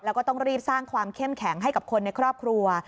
แล้วก็ต้องรีบสร้างความเข้มแข็งให้กับคนในครอบครัว